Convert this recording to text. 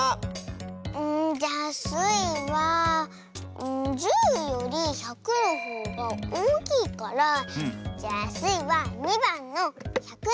んじゃあスイは１０より１００のほうがおおきいからじゃあスイは２ばんのひゃくえんだま！